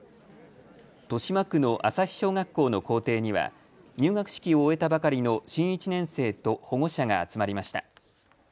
豊島区の朝日小学校の校庭には入学式を終えたばかりの新１年生と保護者が集まりました。